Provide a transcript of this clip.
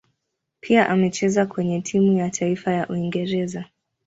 Pia amecheza kwenye timu ya taifa ya Uingereza.